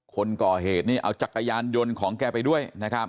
คนก่อเหตุนี่เอาจักรยานยนต์ของแกไปด้วยนะครับ